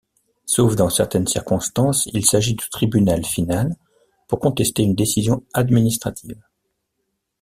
Sauf dans certaines circonstances, il s'agit du tribunal final pour contester une décision administrative.